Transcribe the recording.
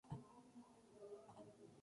comimos